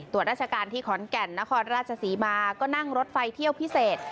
ราชการที่ขอนแก่นนครราชศรีมาก็นั่งรถไฟเที่ยวพิเศษ